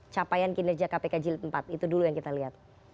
capaian kinerja kpk jilid empat itu dulu yang kita lihat